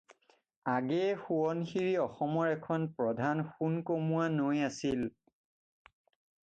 আগেয়ে সোৱণশিৰী অসমৰ এখন প্ৰধান সোণ কমোৱা নৈ আছিল।